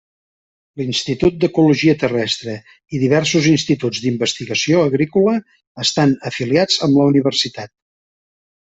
L'Institut d'Ecologia Terrestre i diversos instituts d'investigació agrícola, estan afiliats amb la universitat.